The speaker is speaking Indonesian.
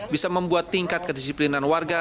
bisa membuat tingkat kedisiplinan warga